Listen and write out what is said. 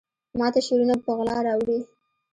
ماته شعرونه په غلا راوړي